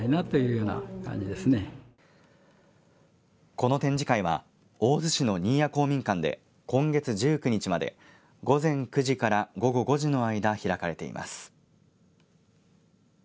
この展示会は大洲市の新谷公民館で今月１９日まで午前９時から午後５時の間開かれています。